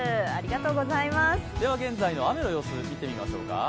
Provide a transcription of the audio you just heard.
現在の雨の様子、見てみましょうか。